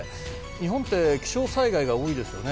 日本って気象災害が多いですよね。